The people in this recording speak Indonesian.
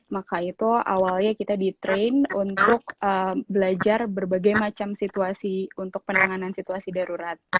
maka itu awalnya kita di train untuk belajar berbagai macam situasi untuk penanganan situasi darurat